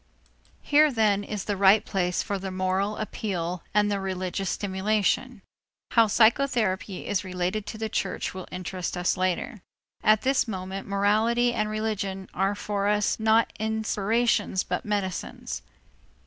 Here then is the right place for the moral appeal and the religious stimulation. How psychotherapy is related to the church will interest us later. At this moment morality and religion are for us not inspirations but medicines.